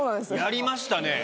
やりましたね。